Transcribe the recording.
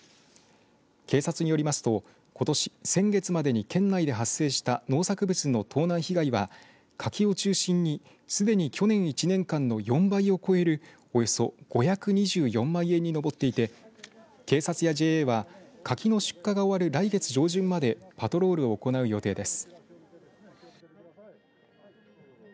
警察によりますとことし、先月までに県内で発生した農作物の盗難による被害は柿を中心におよそ５２４万円に上っていて警察やＪＡは柿の出荷が終わる来月上旬までパトロールを行う予定です。